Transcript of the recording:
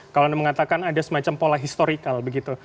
kalau anda mengatakan ada semacam pola historikal begitu